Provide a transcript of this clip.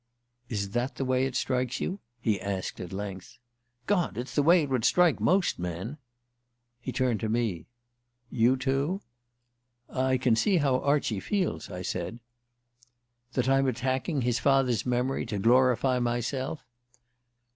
"Is that the way it strikes you?" he asked at length. "God! It's the way it would strike most men." He turned to me. "You too?" "I can see how Archie feels," I said. "That I'm attacking his father's memory to glorify myself?"